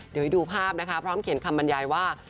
เดี๋ยวให้ดูภาพนะคะพร้อมเขียนคำบรรยายว่า